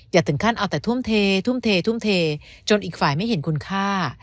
ถึงขั้นเอาแต่ทุ่มเททุ่มเททุ่มเทจนอีกฝ่ายไม่เห็นคุณค่า